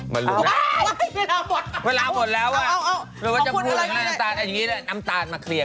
พวกคุณไครฟะแท้เนี่ย